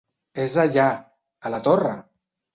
És allà, a la torre!